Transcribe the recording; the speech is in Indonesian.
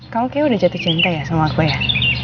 kamu kayaknya udah jatuh jantai ya sama aku ya